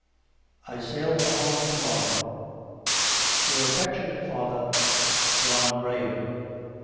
I sail for home to morrow. Your affectionate father, JOHN GRAHAM.